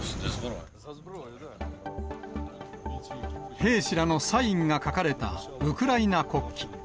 兵士らのサインが書かれた、ウクライナ国旗。